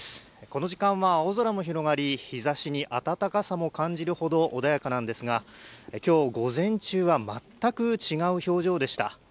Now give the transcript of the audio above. この時間は青空も広がり、日ざしに暖かさも感じるほど穏やかなんですが、きょう午前中は全く違う表情でした。